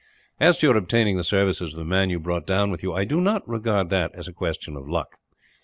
"As to your obtaining the services of the man you brought down with you, I do not regard that as a question of luck.